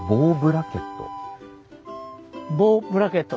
ボウブラケット。